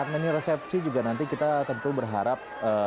karena ini resepsi juga nanti kita tentu berharap